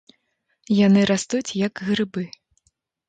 Яны растуць як грыбы.